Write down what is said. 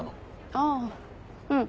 ああうん。